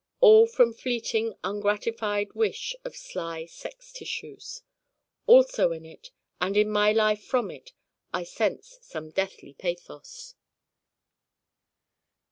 all from fleeting ungratified wish of sly sex tissues Also in it, and in my life from it, I sense some deathly pathos.